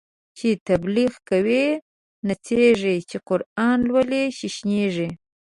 چی تبلیغ کوی نڅیږی، چی قران لولی ششنیږی